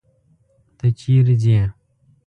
ته چيري ځې.